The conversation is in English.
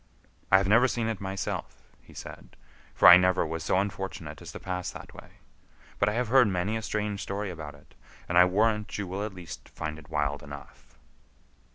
"I have never seen it myself," he said, "for I never was so unfortunate as to pass that way. But I have heard many a strange story about it, and I warrant you will at least find it wild enough."